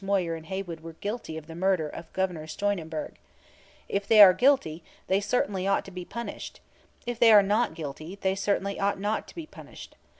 Moyer and Haywood were guilty of the murder of Governor Steunenberg. If they are guilty, they certainly ought to be punished. If they are not guilty, they certainly ought not to be punished.